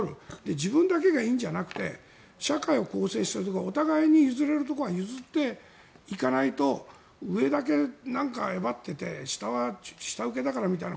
自分だけがいいんじゃなくて社会を構成しているところでお互いに譲れるところは譲っていかないと上だけ威張っていて下は下請けだからみたいな